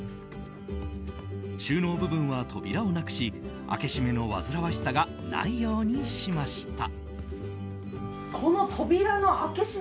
収納部分は扉をなくし開け閉めのわずらわしさがないようにしました。